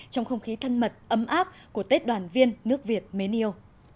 trong không khí thân mật ấm áp của tết đoàn viên nước việt mến yêu